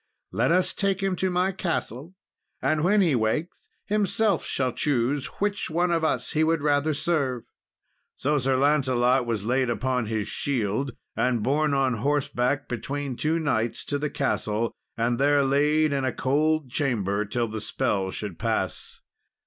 Let us take him to my castle, and, when he wakes, himself shall choose which one of us he would rather serve." So Sir Lancelot was laid upon his shield and borne on horseback between two knights, to the castle, and there laid in a cold chamber, till the spell should pass.